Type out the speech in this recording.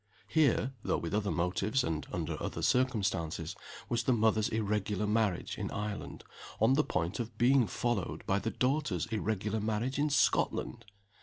Here (though with other motives, and under other circumstances) was the mother's irregular marriage in Ireland, on the point of being followed by the daughter's irregular marriage in Scotland!